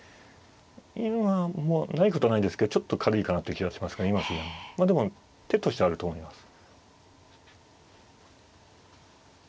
今もないことはないんですけどちょっと軽いかなという気がしますがまあでも手としてはあると思います。